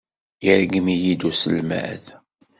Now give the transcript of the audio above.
Yergem-iyi-d uselmad.